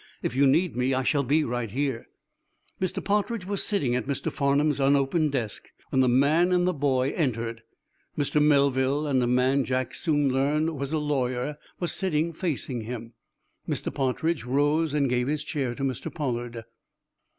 "If you need me, I shall be right here." Mr. Partridge was sitting at Mr. Farnum's unopened desk when the man and the boy entered. Mr. Melville and a man Jack soon learned was a lawyer were sitting facing him. Mr. Partridge rose and gave his chair to Mr. Pollard.